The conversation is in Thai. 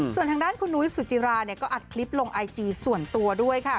ส่วนทางด้านคุณนุ้ยสุจิราเนี่ยก็อัดคลิปลงไอจีส่วนตัวด้วยค่ะ